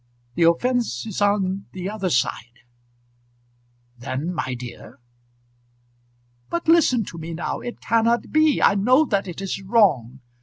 The offence is on the other side " "Then, my dear, " "But listen to me now. It cannot be. I know that it is wrong.